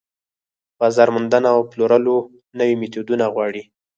بازار موندنه او د پلورلو نوي ميتودونه غواړي.